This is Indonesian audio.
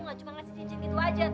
gak cuma ngasih cincin gitu aja